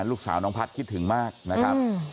ลูกสาวน้องพัฒน์คิดถึงมากนะครับ